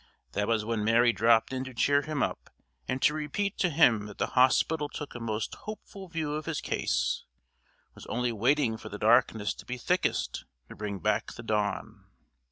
That was when Mary dropped in to cheer him up, and to repeat to him that the hospital took a most hopeful view of his case, was only waiting for the darkness to be thickest to bring back the dawn.